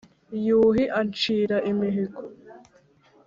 yuhi ancira imihigo